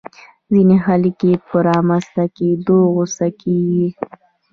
ځينې خلک يې په رامنځته کېدو غوسه کېږي.